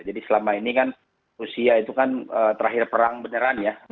jadi selama ini kan rusia itu kan terakhir perang beneran ya